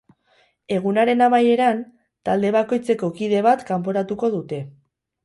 Egunaren amaieran, talde bakoitzeko kide bat kanporatuko dute.